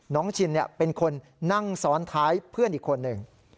ชินเป็นคนนั่งซ้อนท้ายเพื่อนอีกคนหนึ่ง